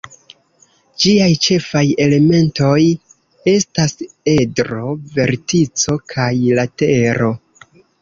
Ĝiaj ĉefaj elementoj estas: edro, vertico kaj latero.